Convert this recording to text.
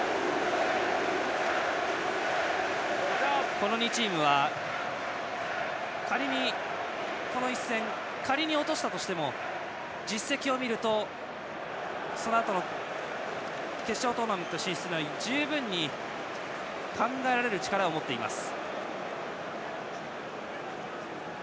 この２チームは仮に、この一戦を落としても実績を見ると決勝トーナメント進出は十分に考えられる力を持っています。